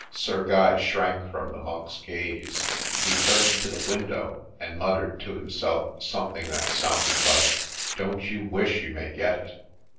Sir Guy shrank from the monk's gaze ; he turned to the window, and muttered to himself something that sounded like ' Don't you wish you may get it